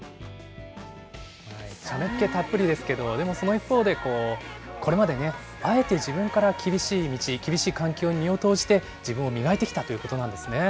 茶目っ気たっぷりですけど、でもその一方で、これまでね、あえて自分から厳しい道、厳しい環境に身を投じて、自分を磨いてきたということなんですね。